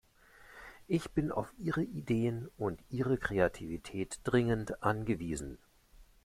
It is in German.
Ich bin auf Ihre Ideen und Ihre Kreativität dringend angewiesen.